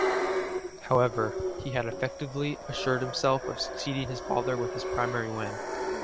However, he had effectively assured himself of succeeding his father with his primary win.